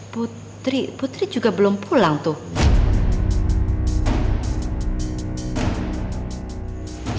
putri putri juga belum pulang tuh